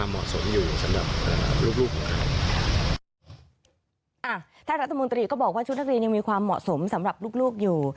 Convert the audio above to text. ท่านรัฐมนตรีก็บอกว่าชุดนักเรียนยังมีความเหมาะสมสำหรับลูกอยู่